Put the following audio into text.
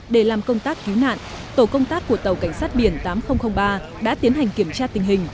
để làm công tác cứu nạn tổ công tác của tàu cảnh sát biển tám nghìn ba đã tiến hành kiểm tra tình hình